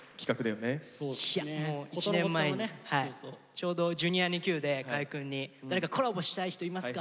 ちょうど「Ｊｒ．にＱ」で河合くんに「誰かコラボしたい人いますか？」